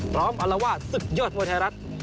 พร้อมอัลลาว่าสุดยอดมวยไทยรัฐ